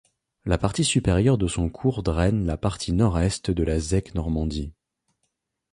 La partie supérieure de son cours draine la partie Nord-Est de la Zec Normandie.